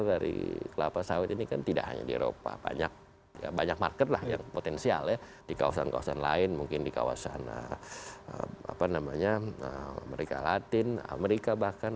dari kelapa sawit ini kan tidak hanya di eropa banyak market lah yang potensial ya di kawasan kawasan lain mungkin di kawasan amerika latin amerika bahkan